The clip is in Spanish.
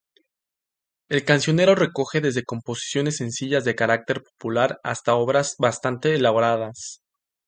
El cancionero recoge desde composiciones sencillas de carácter popular hasta obras bastante elaboradas.